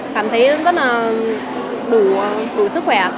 cảm thấy rất là đủ sức khỏe